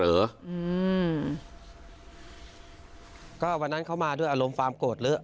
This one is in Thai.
อืมก็วันนั้นเขามาด้วยอารมณ์ความโกรธเลอะ